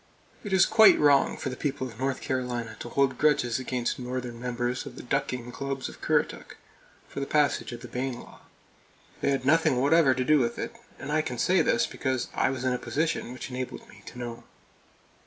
It is quite wrong for the people of North Carolina to hold grudges against northern members of the ducking clubs of Currituck for the passage of the Bayne law. They had nothing whatever to do with it, and I can say this because I was in a position which enabled me to know.